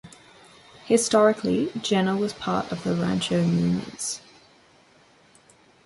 Historically, Jenner was part of the Rancho Muniz.